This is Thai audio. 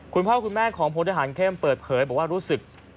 คุณพ่อคุณแม่ของพลทหารเข้มเปิดเผยบอกว่ารู้สึก